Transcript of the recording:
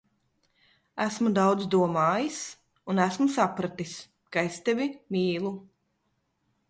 Esmu daudz domājis, un esmu sapratis, ka es tevi mīlu.